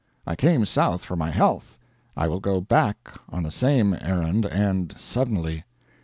I came South for my health, I will go back on the same errand, and suddenly.